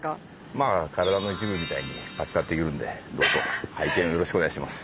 まあ体の一部みたいに扱っているんでどうぞ拝見よろしくお願いします。